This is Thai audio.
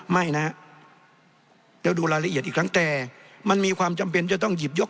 ไม่นะเดี๋ยวดูรายละเอียดอีกครั้งแต่มันมีความจำเป็นจะต้องหยิบยก